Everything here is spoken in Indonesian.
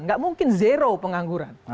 nggak mungkin zero pengangguran